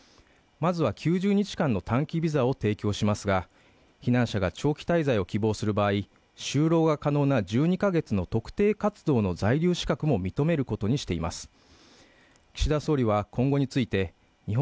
まずは９０日間の短期ビザを提供しますが避難者が長期滞在を希望する場合就労が可能な１２か月の特定活動の在留資格も認めることにしています